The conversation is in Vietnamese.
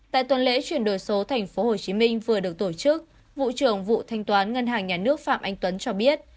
tại tuần lễ chuyển đổi số tp hcm vừa được tổ chức vụ trưởng vụ thanh toán ngân hàng nhà nước phạm anh tuấn cho biết